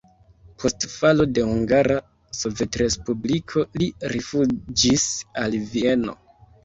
Post falo de Hungara Sovetrespubliko li rifuĝis al Vieno.